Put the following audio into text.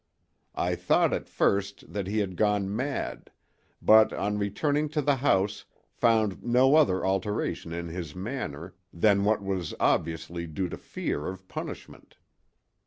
I thought at first that he had gone mad, but on returning to the house found no other alteration in his manner than what was obviously due to fear of punishment.